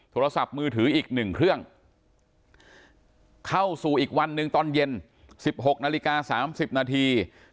โทรศัพท์มือถืออีก๑เครื่องเข้าสู่อีกวันหนึ่งตอนเย็น๑๖นาฬิกา๓๐นาที